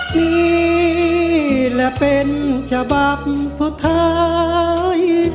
นี่และเป็นฉบับสุดท้าย